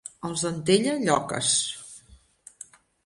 Els d'Antella, lloques.